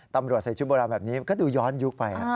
ตำรวจใส่ชุดโบราณแบบนี้ก็ดูย้อนยุคไป